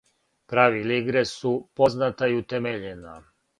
Правила игре су позната и утемељена.